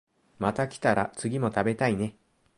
また来たら次も食べたいね